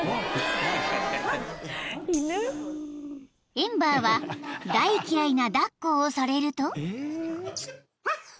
［エンバーは大嫌いな抱っこをされると］